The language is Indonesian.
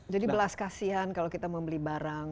jadi belas kasihan kalau kita mau beli barang